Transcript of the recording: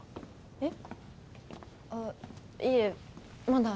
えっ？